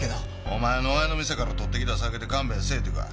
お前の親の店から取ってきた酒で勘弁せえってか？